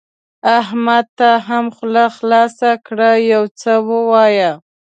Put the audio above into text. احمده ته هم خوله خلاصه کړه؛ يو څه ووايه.